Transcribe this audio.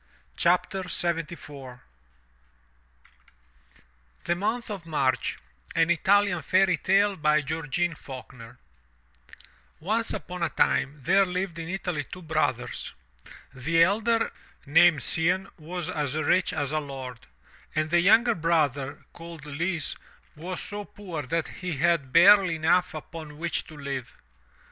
347 MY BOOK HOUSE THE MONTH OF MARCH* An Italian Fairy Tale Georgene Faulkner Once upon a time there lived in Italy two brothers; the elder, named Cianne, was as rich as a lord; and the younger brother, called Lise, was so poor that he had barely enough upon which to live.